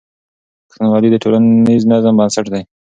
پښتونولي د ټولنیز نظم بنسټ دی.